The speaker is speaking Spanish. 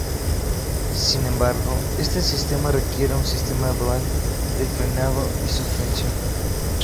Sin embargo, este sistema requiere un sistema dual de frenado y suspensión.